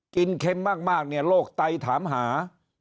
กินเข้มมากโรคไตถามหา